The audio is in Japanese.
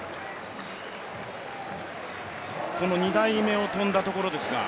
この２台目を飛んだところですが。